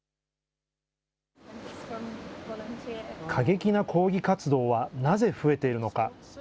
過激な抗議活動はなぜ増えているのか。